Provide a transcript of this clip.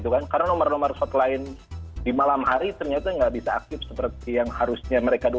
karena nomor nomor swep lain di malam hari ternyata tidak bisa aktif seperti yang harusnya mereka dua puluh empat jam